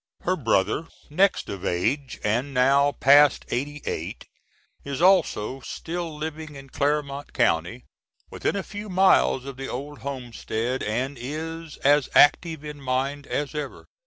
Her brother, next of age and now past eighty eight, is also still living in Clermont County, within a few miles of the old homestead, and is as active in mind as ever.